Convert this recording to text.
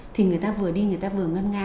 thì người ta vừa đi người ta vừa ngân nga